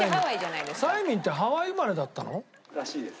サイミンってハワイ生まれだったの？らしいです。